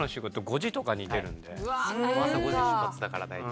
朝５時出発だから大体。